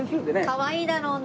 かわいいだろうな。